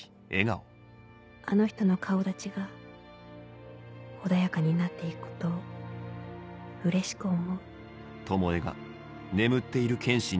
あの人の顔立ちが穏やかになって行くことをうれしく思う」。